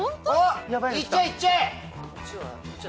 いっちゃえいっちゃえ！